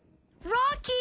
ロッキー！